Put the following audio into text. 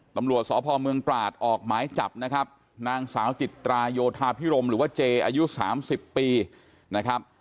ตำรวจสพเมืองตราดออกหมายจับนะครับนางสาวจิตราโยธาพิรมหรือว่าเจอายุ๓๐ปีนะครับ